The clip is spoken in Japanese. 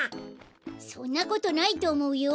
そんなことないとおもうよ。